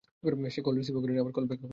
সে call রিসিভও করেনি, আবার কল ব্যাকও করেনি।